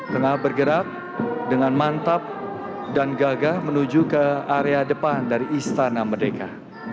tengah bergerak dengan mantap dan gagah menuju ke area depan dari istana merdeka